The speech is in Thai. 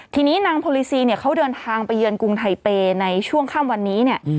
ทีนี้นางโพลิซีเนี่ยเขาเดินทางไปเยือนกรุงไทเปย์ในช่วงค่ำวันนี้เนี่ย